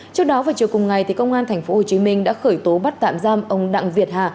trước đó vào chiều cùng ngày công an tp hcm đã khởi tố bắt tạm giam ông đặng việt hà